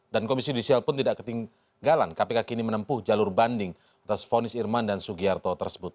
dan komisi yudisial pun tidak ketinggalan kpk kini menempuh jalur banding atas vonis irman dan sugiharto tersebut